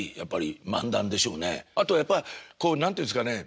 あとはやっぱこう何て言うんですかね